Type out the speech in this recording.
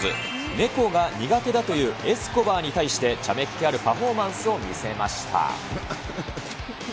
猫が苦手だというエスコバーに対し、ちゃめっけあるパフォーマンスを見せました。